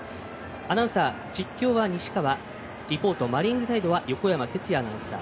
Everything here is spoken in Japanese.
アナウンサー、実況は西川リポートマリーンズサイドは横山哲也アナウンサー